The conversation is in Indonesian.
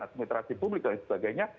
administrasi publik dan sebagainya